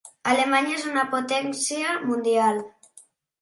Alemanya és una potència mundial.